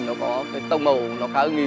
nó có cái tông màu nó khá ưng ý